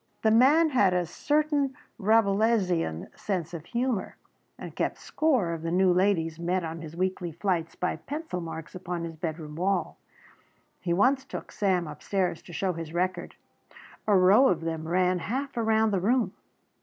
The man had a certain Rabelaisian sense of humour and kept score of the new ladies met on his weekly flights by pencil marks upon his bedroom wall. He once took Sam upstairs to show his record. A row of them ran half around the room.